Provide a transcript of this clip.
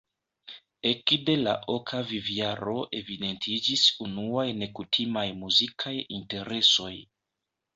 Ekde la oka vivjaro evidentiĝis unuaj nekutimaj muzikaj interesoj.